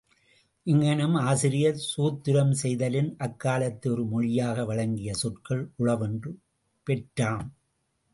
இங்ஙனம் ஆசிரியர் சூத்திரம் செய்தலின், அக்காலத்து ஒரு மொழியாக வழங்கிய சொற்கள் உளவென்று பெற்றாம்.